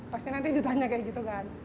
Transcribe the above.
pasti nanti ditanya kayak gitu kan